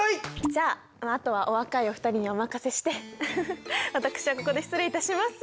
じゃああとはお若いお二人にお任せしてうふふ私はここで失礼いたします。